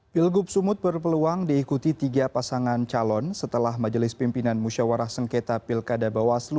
pilgub sumut berpeluang diikuti tiga pasangan calon setelah majelis pimpinan musyawarah sengketa pilkada bawaslu